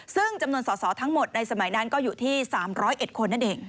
ซึ่งจำนวนสอสอทั้งหมดในสมัยนั้นก็อยู่ที่๓๐๑คนนั่นเอง